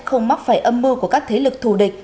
không mắc phải âm mưu của các thế lực thù địch